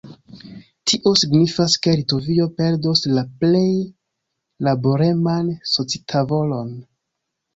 Tio signifas, ke Litovio perdos la plej laboreman socitavolon.